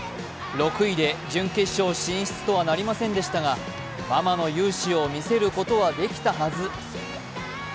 ６位で準決勝進出とはなりませんでしたがママの雄姿を見せることはできたはず。